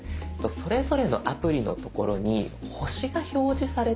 それぞれのアプリのところに星が表示されているので。